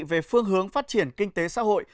về phương hướng phát triển kinh tế xã hội